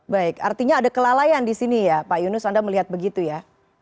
baik artinya ada kelalaian di sini ya pak yunus anda melihat begitu ya